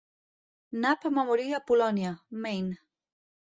Knapp va morir a Polònia, Maine.